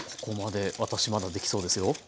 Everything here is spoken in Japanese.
ここまで私まだできそうですよ。